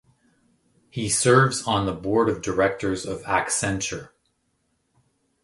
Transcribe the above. He serves on the Board of Directors of Accenture.